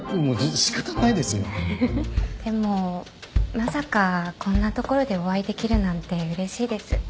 でもまさかこんな所でお会いできるなんてうれしいです。